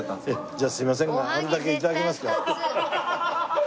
じゃあすいませんがあるだけ頂けますか？